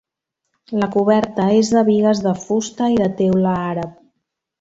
La coberta és de bigues de fusta i de teula àrab.